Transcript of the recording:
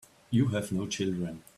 You have no children.